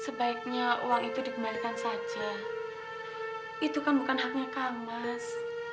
sebaiknya uang itu dikembalikan saja itu kan bukan haknya kamas